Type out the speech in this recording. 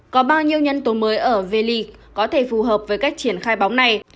có bao nhiêu nhân tố mới ở v league có thể phù hợp với cách triển khai bóng này